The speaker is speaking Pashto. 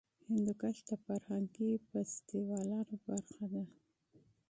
هندوکش د فرهنګي فستیوالونو برخه ده.